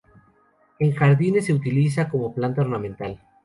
En jardinería se utiliza como planta ornamental.